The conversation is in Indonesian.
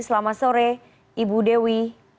selamat sore ibu dewi